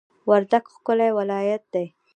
وردګ ښکلی ولایت دی